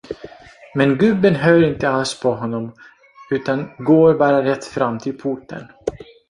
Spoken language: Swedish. Men gubben hör inte alls på honom, utan går bara rätt fram till porten.